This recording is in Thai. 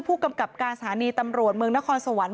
ผู้กำกับการสถานีตำรวจเมืองนครสวรรค์